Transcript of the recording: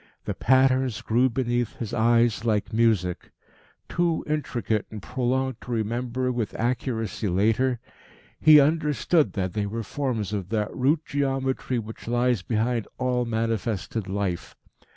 The patterns grew beneath his eyes like music. Too intricate and prolonged to remember with accuracy later, he understood that they were forms of that root geometry which lies behind all manifested life.